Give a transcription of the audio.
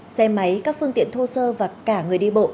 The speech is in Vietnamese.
xe máy các phương tiện thô sơ và cả người đi bộ